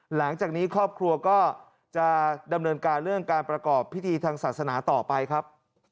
หลังจากนี้ครอบครัวก็จะดำเนินการเรื่องการประกอบพิธีทางศาสนาต่อไปครับ